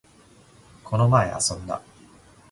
この前、遊んだ